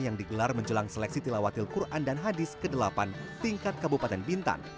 yang digelar menjelang seleksi tilawatil quran dan hadis ke delapan tingkat kabupaten bintan